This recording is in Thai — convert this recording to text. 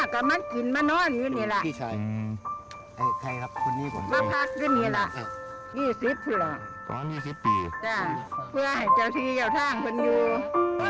คนมาต่ายใส่น่ะ